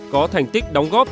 có thành tích đóng góp